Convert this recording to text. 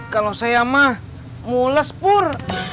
kalau saya mah mules pur